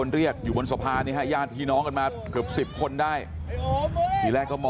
เดี๋ยวจมเดี๋ยวจม